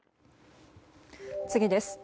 次です。